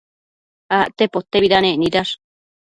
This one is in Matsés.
Acte potebidanec nidash